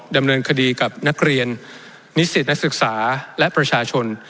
ดำเนินคดีกับนักเรียนนิสิตนักศึกษาและประชาชน